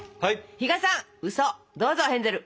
比嘉さんうそどうぞヘンゼル！